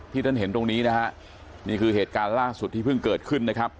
ท่านเห็นตรงนี้นะฮะนี่คือเหตุการณ์ล่าสุดที่เพิ่งเกิดขึ้นนะครับ